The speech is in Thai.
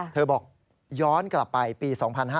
บอกย้อนกลับไปปี๒๕๕๙